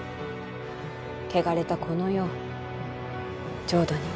汚れたこの世を浄土に。